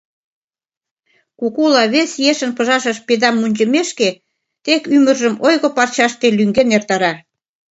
Кукула вес ешын пыжашыш педам мунчымешке, тек ӱмыржым ойго парчаште лӱҥген эртара!